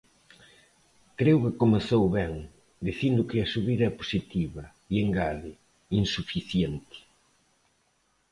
Creo que comezou ben, dicindo que a subida é positiva, e engade: insuficiente.